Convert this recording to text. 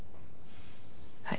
はい。